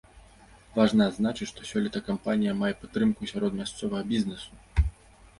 Важна адзначыць, што сёлета кампанія мае падтрымку сярод мясцовага бізнэсу.